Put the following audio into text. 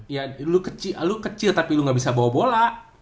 ya lu kecil tapi lu gak bisa bawa bola